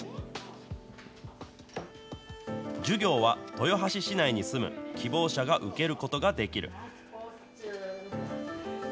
授業は、豊橋市内に住む希望者が受けることができる。